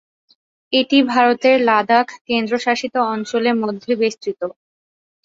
এটি ভারতের লাদাখ কেন্দ্রশাসিত অঞ্চলে মধ্যে বিস্তৃত।